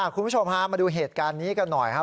คุณผู้ชมพามาดูเหตุการณ์นี้กันหน่อยครับ